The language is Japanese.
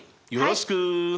よろしく！